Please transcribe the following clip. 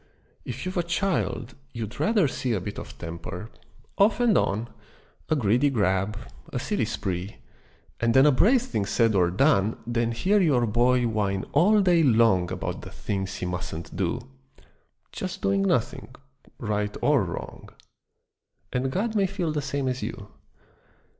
If you've a child, you'd rather see A bit of temper, off and on, A greedy grab, a silly spree And then a brave thing said or done Than hear your boy whine all day long About the things he musn't do: Just doing nothing, right or wrong: And God may feel the same as you.